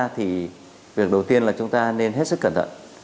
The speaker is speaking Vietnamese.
thì việc đầu tiên là chúng ta nên hết sức cẩn thận